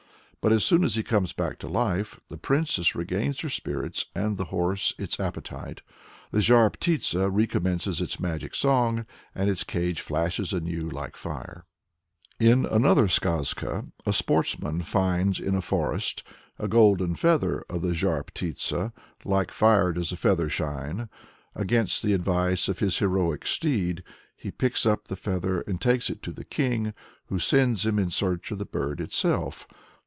But as soon as he comes back to life, the princess regains her spirits, and the horse its appetite. The Zhar Ptitsa recommences its magic song, and its cage flashes anew like fire. In another skazka a sportsman finds in a forest "a golden feather of the Zhar Ptitsa; like fire does the feather shine!" Against the advice of his "heroic steed," he picks up the feather and takes it to the king, who sends him in search of the bird itself.